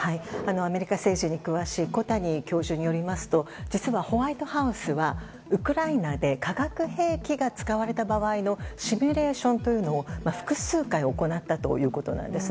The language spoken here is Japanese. アメリカ政治に詳しい小谷教授によりますと実はホワイトハウスはウクライナで化学兵器が使われた場合のシミュレーションというのを複数回行ったということです。